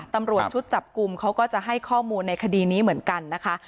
ตำรวจชุดจับกลุ่มเขาก็จะให้ข้อมูลในคดีนี้เหมือนกันนะคะ